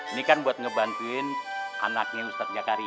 ini kan buat ngebantuin anaknya ustadz jakari